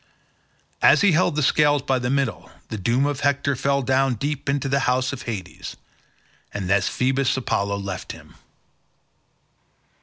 As he held the scales by the middle, the doom of Hector fell down deep into the house of Hades—and then Phoebus Apollo left him.